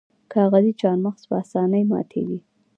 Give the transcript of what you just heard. کاغذي چهارمغز په اسانۍ ماتیږي.